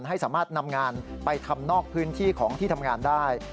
ให้สามารถนำงานไปทำนอกพื้นที่ของที่ทำงานได้